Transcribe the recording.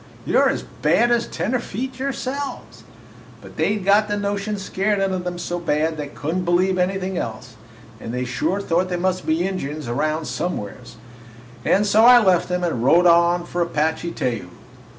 You 're as bad as tenderfeet yourselves!' "But they 'd got the notion scared into them so bad they could n't believe anything else, and they sure thought there must be Injuns around somewheres; and so I left 'em and rode on for Apache Teju.